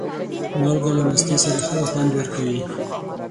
مالګه له مستې سره ښه خوند ورکوي.